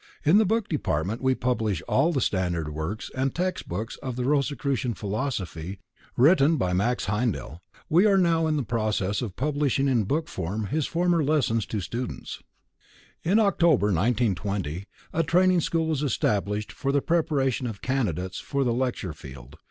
In the book department we publish all the standard works and text books of the Rosicrucian Philosophy written by Max Heindel. We are now in process of publishing in book form his former lessons to students. In October, 1920, a Training School was established for the preparation of candidates for the lecture field.